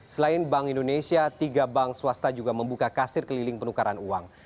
selain bank indonesia tiga bank swasta juga membuka kasir keliling penukaran uang